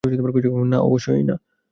না, অবশ্যই না।